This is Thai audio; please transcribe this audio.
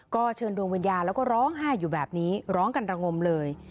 ก็เชิญดวงวิญญาณแล้วก็ร้องไห้อยู่แบบนี้ร้องกันระงมเลย